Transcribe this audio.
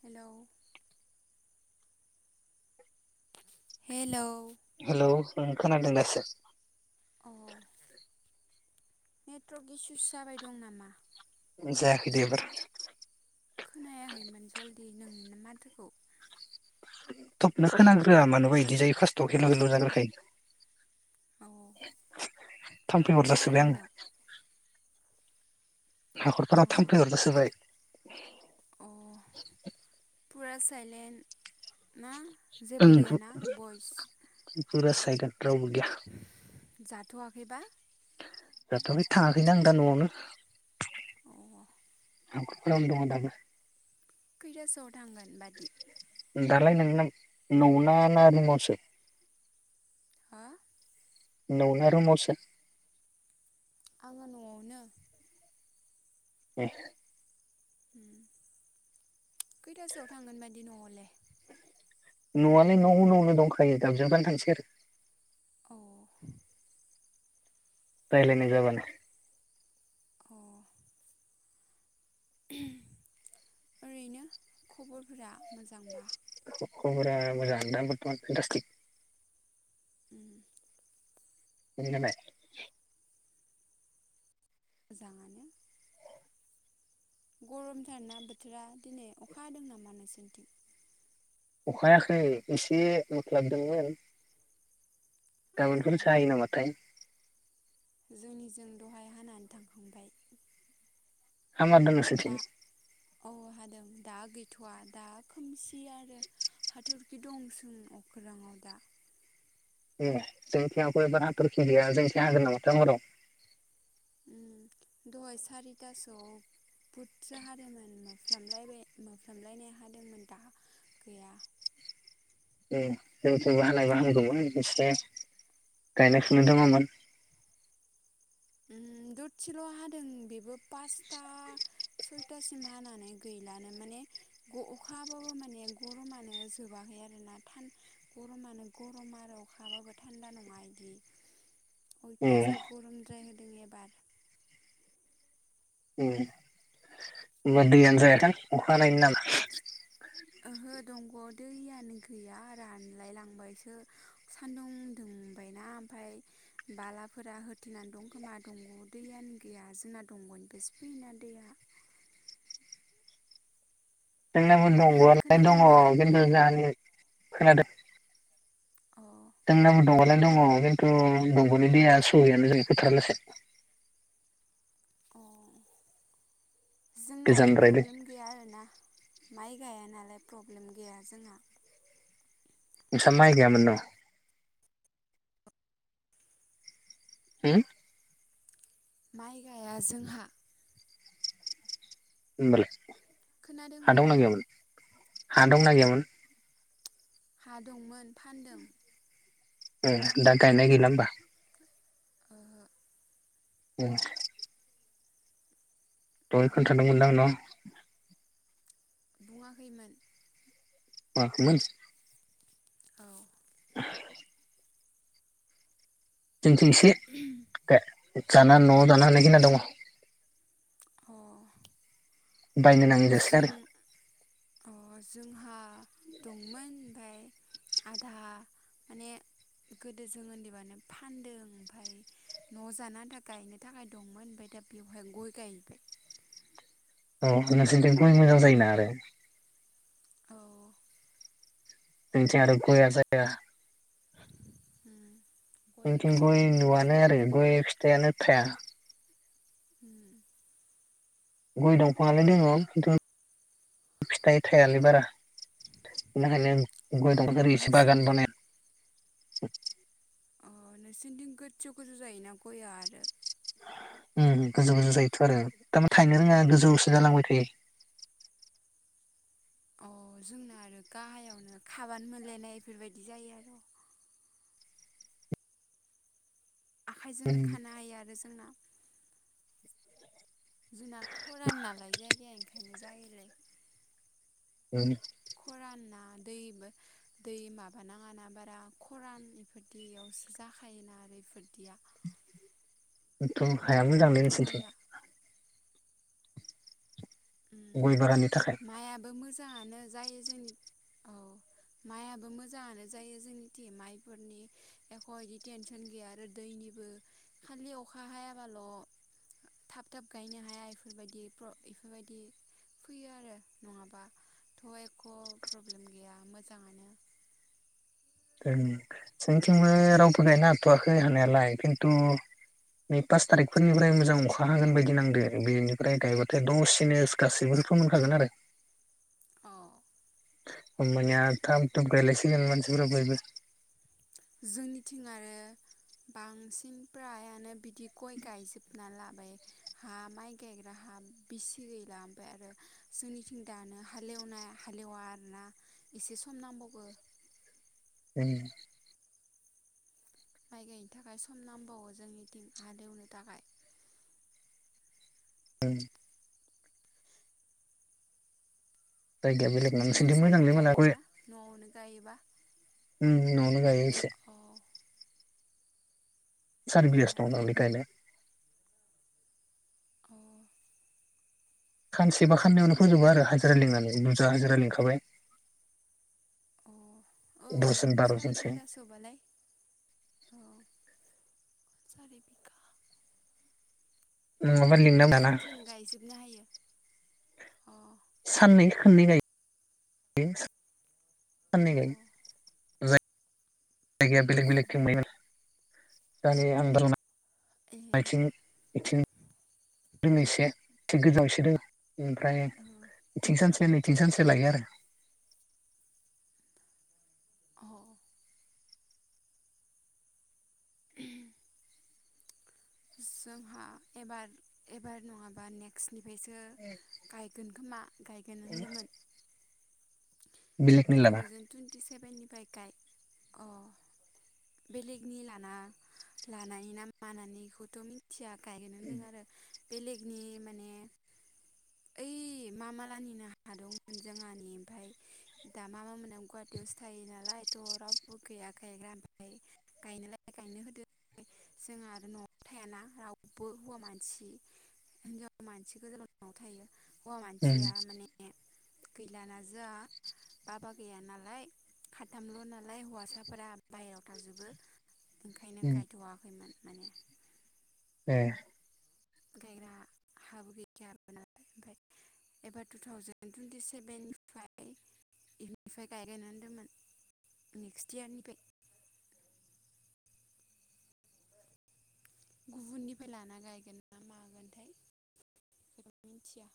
हेल' hello hello ओं खोनादों दासो। औ, नेट्रक इसुस जाबाय दं नामा? जायाखैदे एबार खोनायाखैमोन जलदि नोंनि नो माथोखौ थबनो खोनाग्रोआ मानोबा बिदि जायो फार्ट'आव हेलो-हेलो' जाग्राखायो। औ-औ थाम्फै मा अरजासोबाय आं खालामदों? अ हाखरफोराव थामफ्लै अरजासोबाय अ फुरा साइलेन्ट ना? जेबो गैयाना बइस, फुरा सायलेद रावबो गैया, जाथ'वाखैबा जाथ'वाखै थाङाखैनो आं दा न'आवनो औ हाखरफारावनो दङ दाबो खैथा सोआव थांगोन बादि दालाय नों ना नौ ना रिमनसो हा न' आवना रुमावसो आंङो न'आवनो ए उम खैतासोआव थांगोन बादि न'आवलाय न' आवलाय न'उनावनो दंखायो गाज्रिबाबो थांसै आरो अ अ रायलायनाय जाबानो -अ ओरैनो खबरफोरा मोजांबा ख'बरा मोजाङैनो दङ नोंथां दासा उम नोंथां नालाय मोजां आनो गरम थारना बोथोरा दिनै अखा हादों नामा नोंसोरनिथिं अखायाखै एसे मोस्लाबदोंमोन अ गाबोनफोरसो हायो नामा थाय। जोंनिजों दहाय हानानै थांखांबाय। हामारदो नोंस दा औ हादों दा गैथ'वा दा खोमसि आरो। हाथरखि दंसों अखोराङाव दा। ए जोंनिखै हाखर एबार हाथरखि गैया जोंनिथिं हागोन नामाथाय हराव। ओम दहाय सारितासोआव बुदजा हादोमोन मोफ्लामयबाय मोफ्लामलायनाय हादोंमोन दा गैया। ऐ जोंनिथिंबो हानायबा हामगौबो इस्रे गायनाय फुनो दङोमोन। उम ददसेल' हादों बेबो पासता सयतासिम हानानै गैलानो माने ग' अखा हाबाबो माने गर'मानो जोबाखै आरोना थान गर'मानो गर'म आरो अखा हाबाबो थान्दा नङा इदि। ए अयतासार गर'मद्राय होदों एबार। उम ओमबा दैयानो जायाथां अखा हानायनि नाम ओहो दंग'आव दैयानो गैया रानलाय लांबायसो। सान्दुं दुंबायना ओमफाय बालाफोरा होथेनानै दं खोमा दंग'आव दैयानो गैया जोना दंग'निफायसो फैयोना दैया। जोंनाबो दंग'आलाय खोनादोंबा दङ किन्तु जाहानि खोनादों अ जोंनाबो दंग'लाय दङ खिन्थु दंग'नि दैया सहैयानो जों फोथारालासे। अ जोंनालाय गोजानद्रायलै प्रब्लेम गैया आरोना माइ गाया नालाय प्रब्लेम गैया जोंहा। नोंसा माइ गायामोन न'? होम? माइ गाया जोंहा। होनबालाय हा खोनादोंबा दंना गैयामोन हा दंना गैयामोन? हा दंमोन फानदों। ए दा गायनाय गैला होमबा? ओहो। उम दहाय खोन्थादोंमोनदांं न'? बुङाखैमोन। [unintelligible] मोन। औ [inaudible] जोंथिं इसे [inaudible] बे जाना न' जाना हानाय खिना दङ। अ बायनो नाङ जों अ जोंहा दंमोन ओमफाय आधा माने गोदो जों ओन्दैबानो फानदों ओमफाय न'आव जानो आनथा गायनो थाखाय दंमोन ओमफाय दा बेवहाय गय गायबाय। अ नोंसोनिथिं गइ मोजां जायोना आरो? औ जोंथिं आरो गइया जाया। उम। जोंथिं गायना गय दोनदो नु'आनो आरो जोंनिथिं दा गय फिथाइानो थाया हम। गय दंफाङआालाय दङ खिन्थु फिथाइ थाइलाय बारा खाय औ गय दं बागान नोंसिनिथि बानाय अ नोंसोरनिथिं गोजौ गोजौ जायोना गयया आरो उ गोजौ गोजौ जायोथ' आरो थारमाने थायनो रोङा गोजौसो जालांबाय थायो। अ जोंना आरो गाहायावनो खाबानो मोनलायनाय ऐफोरबायदि जायो आरो। उम आखाइजोंनो खानो हायो आरो जोंना। जोंना खरान नालाय जायगाया ओंखायनो जायोलाय। [unintelligible] खराना दैबो दै माबाानाङाना बारा खरान इफोरदियावसो जाखायोना आरो इफोरदिया थ' हाया मोजांलोय नोंसोरथिं गया उम गय बागाननि थाखाय माइआबो मोजाङानो जायो जोंनि औ माइयाबो मोजाङानो जायो जोंनिथि माइफोरनि एख' बिदि टेनसन गैया आर दैनिबो खालि अखा हायाबाल' थाब थाब गायनो हाया बेफोरबायदि ख बेबायदि फैयो आरो नङाबा थ' एख' प्रब्लेम गैया मोजाङानो। जोंथिंबो रावबो गायनो हाथ'वाखै हानायालाय खिन्थु नै पास थारिखफोरनिफ्राय मोजां अखा हागोन बायदि नांदो बेनिफ्राय गायबाथाय दसेनो गासैबोथ' मोनखागोन आरो। अ ओमबानिया थाम थुम गायलायसिगोन मानसिफोरा बयबो जोंनिथिं आरो बांसिन फ्रायानो बिदि गय गायजोबना लाबाय हा माइ गायग्रा हा बिसि बिगा ओमफ्राय आरो जोंनिथिं दानो हालेवनाय हालेवा आरोना एसे सम नांबावगो ए माइ गायनो थाखाय सम नांबावो जोंनि दिं हालेवनो थाखाय। म जायगाया बेलेगना नोंसिथिं नोंसाबो मोजांलैमोलाय ग गायोना न'आवनो गायोबा? उम न'आवनो गायो से औ अ सारिबिगासो दं दांलोय गायनाय अ खानसेबा खाननावनो फोजोबो आरो हाजिरा लिनानै बुजा हाजिरा लिंखाबाय। अ दसजन औ सारि बार'जनसो बिगासोबालाय। अ सार खा नङाबा लिंनांगौ ना खानसेनो गायजोबनो हायो अ साननै खाननै गायोयो साननै अ गायो ज जायगाया बेलेग बेलेग दंनाय ना दानि आन्दलना ए आथिं इथिं रोङैसे थिग गोजांसो दोङो एसे रो ओमफ्राय औ बिथिं सानसे नैथिं सानसे लायो आरो। अ ओहम जोंहा एबार एबार नङाबा नेक बिसोनिफ्रायसो गायगोन खोमा गायगोन होनदोंमोन बेलेगनि टु लाना थावजेेन टुइन्टि सेभेननिफ्राय गायद अ' बेलेगनि लाना लानाय ना मानानैखौथ' मिथिया। गायोनो होन्दों आरो बेलेगनि माने ओइ मामालाहानिनो हा दंमोन जोंहानि। ओमफ्राय दा मामा मोना गुवाहाटियावसो थायो नालाय थ' रावबो गैया गायग्रा ओमफ्राय गायनोलाय गायनो होदों। जोंहा आरो न'आव थायाना रावबो हौवा मानसि। हिनजाव मानसि गोजाल' न'आव थायो। हौवा उम मानसिया माने गैलाना जोंहा बाबा गैया नालाय साथामल' नालाय हौवासाफोरा बाहेरायाव थाजोबो। ओंखायनो उम गायथ'वाखैमोन माने। ए गायग्रा हाबो गैखाया नालाय ओंखायनो एबार टु थावजेन टुइन्टि सेभेननिफ्राय इनिफ्राय गायगोनय होनदोंमोन नेक्स्ट यारनिफ्राय। गुबुननिफ्राय लाना गायगोन ना मागोनथाय बेखौ मिथिया।